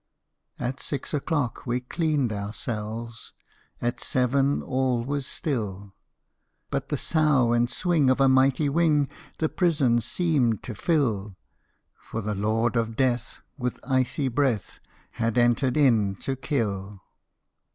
At six oâclock we cleaned our cells, At seven all was still, But the sough and swing of a mighty wing The prison seemed to fill, For the Lord of Death with icy breath Had entered in to kill.